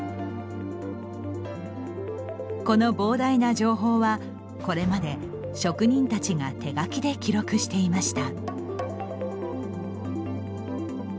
この膨大な情報は、これまで職人たちが手書きで記録していました。